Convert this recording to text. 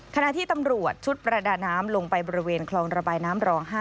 ขณะที่ตำรวจชุดประดาน้ำลงไปบริเวณคลองระบายน้ำรอง๕